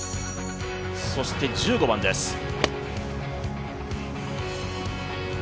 そして１５番です。